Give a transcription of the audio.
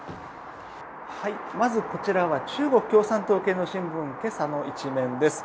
まず、こちらは中国共産党系の新聞今朝の１面です。